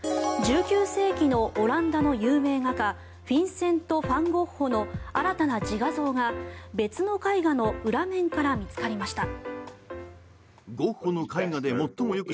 １９世紀のオランダの有名画家フィンセント・ファン・ゴッホの新たな自画像が別の絵画の裏面から見つかりました。